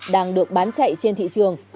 đang được bán chạy trên thị trường